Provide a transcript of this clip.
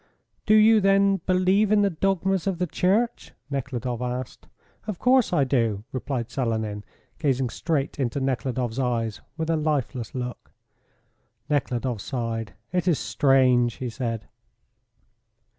"Do you, then, believe in the dogmas of the church?" Nekhludoff asked. "Of course I do," replied Selenin, gazing straight into Nekhludoff's eyes with a lifeless look. Nekhludoff sighed. "It is strange," he said.